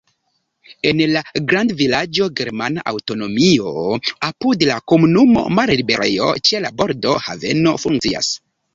En la grandvilaĝo germana aŭtonomio, apud la komunumo malliberejo, ĉe la bordo haveno funkcias.